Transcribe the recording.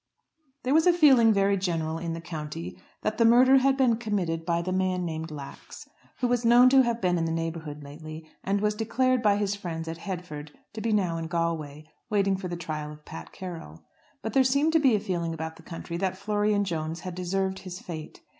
There was a feeling very general in the county that the murder had been committed by the man named Lax, who was known to have been in the neighbourhood lately, and was declared by his friends at Headford to be now in Galway, waiting for the trial of Pat Carroll. But there seemed to be a feeling about the country that Florian Jones had deserved his fate.